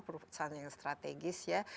perusahaan yang strategis ya